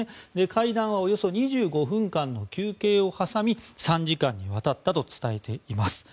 会談はおよそ２５分間の休憩を挟み３時間にわたったと伝えています。